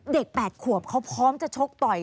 ๘ขวบเขาพร้อมจะชกต่อย